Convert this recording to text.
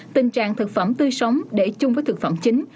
tình trạng thực phẩm tươi sống để chung với thực phẩm chính